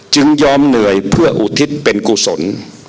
ยอมเหนื่อยเพื่ออุทิศเป็นกุศล